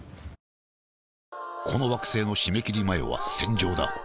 この惑星の締め切り前は戦場だ